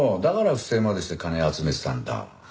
だから不正までして金を集めてたんだ。